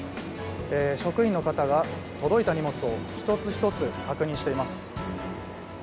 職員の方が届いた荷物を１つ１つ確認しています。